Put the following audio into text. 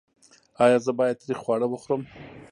ایا زه باید تریخ خواړه وخورم؟